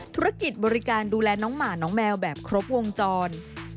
ธุรกิจบริการดูแลน้องหมาน้องแมวแบบครบวงจร